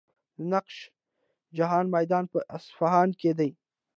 د نقش جهان میدان په اصفهان کې دی.